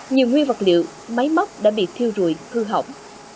nhiều nguy vật liệu máy móc đã bị thiêu rùi hư hỏng